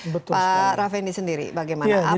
pak raffeni sendiri bagaimana